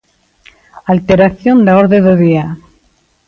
Alteración da orde do día.